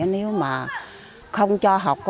nếu mà không cho học